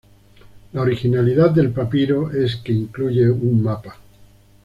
La originalidad del papiro es que incluye un mapa.